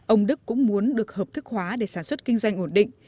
ông đức cũng muốn được hợp thức hóa để sản xuất kinh doanh ổn định